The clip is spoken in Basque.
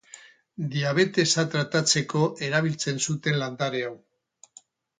Diabetesa tratatzeko erabiltzen zuten landare hau.